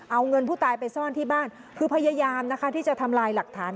เอาเงินผู้ตายไปซ่อนที่บ้านคือพยายามนะคะที่จะทำลายหลักฐาน